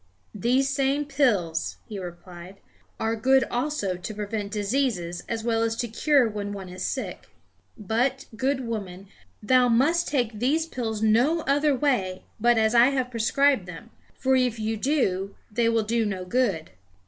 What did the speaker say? "These same pills," he replied, "are good also to prevent diseases as well as to cure when one is sick. But, good woman, thou must take these pills no other way but as I have prescribed; for if you do, they will do no good."